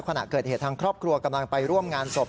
ขณะเกิดเหตุทางครอบครัวกำลังไปร่วมงานศพ